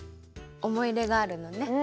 おもいいれがあるのね。